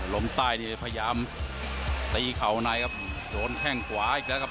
ลมใต้นี่พยายามตีเข่าในครับโดนแข้งขวาอีกแล้วครับ